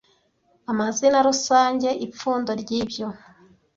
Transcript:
Amazina rusange - ipfundo ryibyo